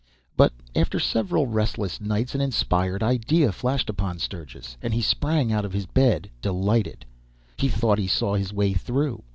But after several restless nights an inspired idea flashed upon Sturgis, and he sprang out of bed delighted. He thought he saw his way through.